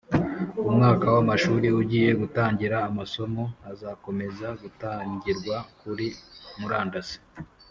umwaka w'amashuri ugiye gutangira amasomo azakomeza gutangirwa kuri murandasi